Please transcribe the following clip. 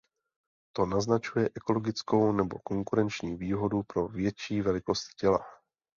To naznačuje ekologickou nebo konkurenční výhodu pro větší velikost těla.